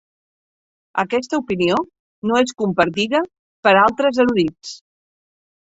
Aquesta opinió no és compartida per altres erudits.